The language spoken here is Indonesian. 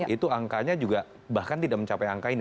itu angkanya juga bahkan tidak mencapai angka ini